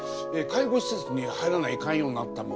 介護施設に入らないかんようになったもんで。